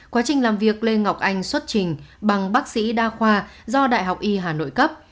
quá trình làm việc lê ngọc anh xuất trình bằng bác sĩ đa khoa do đại học y hà nội cấp